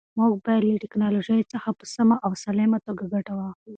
موږ باید له ټیکنالوژۍ څخه په سمه او سالمه توګه ګټه واخلو.